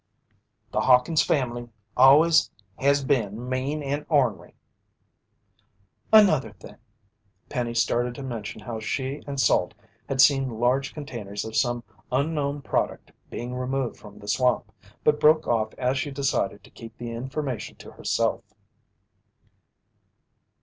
"The Hawkins' family always has been mean an' ornery." "Another thing " Penny started to mention how she and Salt had seen large containers of some unknown product being removed from the swamp, but broke off as she decided to keep the information to herself.